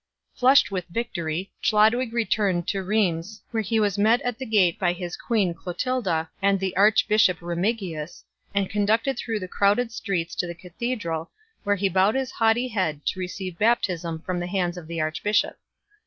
Flushed with victory, Chlodwig returned to R heims, where he was met at the gate by his queen Clotilda and the archbishop Remigius, and conducted through the crowded streets to the cathedral, where he bowed his haughty head to receive baptism from the hands of the archbishop 2